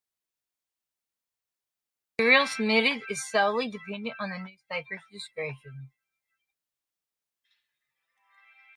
Meanwhile, the usage of any material submitted is solely dependent on the newspaper's discretion.